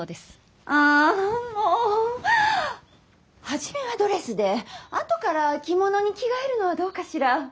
初めはドレスで後から着物に着替えるのはどうかしら？